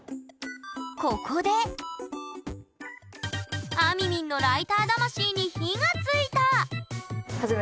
ここであみみんのライター魂に火がついた！